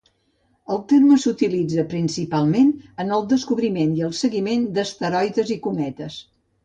El terme s'utilitza principalment en el descobriment i el seguiment d'asteroides i cometes.